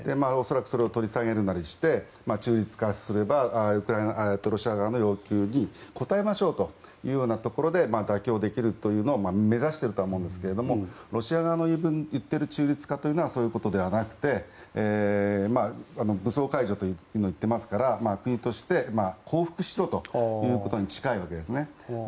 恐らくそれを取り下げるなりして中立化すればロシア側の要求に応えましょうというようなところで妥協できるというのを目指しているとは思うんですがロシア側の言っている中立化というのはそういうことではなくて武装解除と言ってますから国として、降伏しろということに近いわけですね。